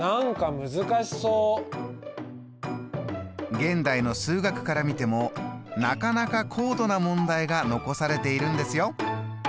現代の数学から見てもなかなか高度な問題が残されているんですよ！